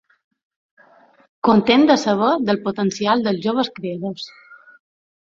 Content de saber del potencial dels joves creadors.